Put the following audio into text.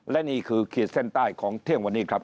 และนี่คือขีดเส้นใต้ของเที่ยงวันนี้ครับ